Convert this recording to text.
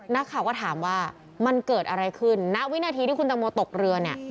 นักข่าวก็ถามว่ามันเกิดอะไรขึ้นณวินาทีที่คุณตังโมตกเรือเนี่ย